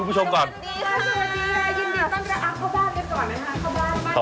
ยินดีต้อนรับเข้าบ้านกันก่อนนะคะ